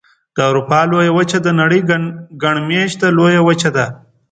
د اروپا لویه وچه د نړۍ ګڼ مېشته لویه وچه ده.